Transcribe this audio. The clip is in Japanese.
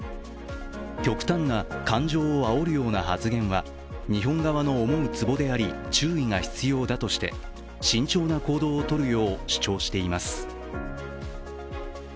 極端な感情をあおるような発言は日本側の思うつぼであり注意が必要だとして慎重な行動を取るよう主張しています。